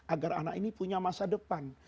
agar anak ini punya masa depan